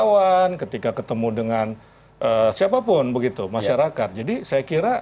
relawan ketika ketemu dengan siapa pun begitu masyarakat jadi saya kira